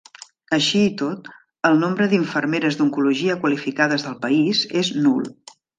Així i tot, el nombre d'infermeres d'oncologia qualificades del país és nul.